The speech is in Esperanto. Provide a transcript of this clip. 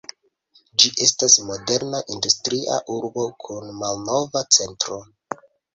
Ĝi estas moderna industria urbo kun malnova centro.